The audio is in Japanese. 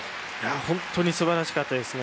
本当に素晴らしかったですね。